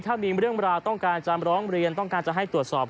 ถ้ามีเรื่องราวต้องการจะร้องเรียนต้องการจะให้ตรวจสอบ